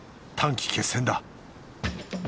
短期決戦だ！